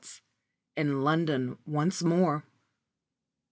* _*IN LONDON ONCE MORE.